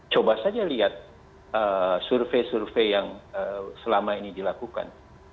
coba saja lihat survei survei yang selama ini dilakukan